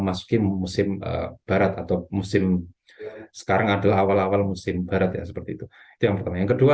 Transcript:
masukin musim barat atau musim sekarang adalah awal awal musim barat yang seperti itu yang kedua